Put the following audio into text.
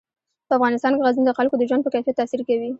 په افغانستان کې غزني د خلکو د ژوند په کیفیت تاثیر کوي.